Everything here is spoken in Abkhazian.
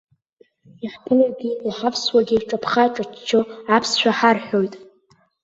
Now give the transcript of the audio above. Иаҳԥылогьы иҳавсуагьы ҿаԥха-ҿаччо аԥсшәа ҳарҳәоит.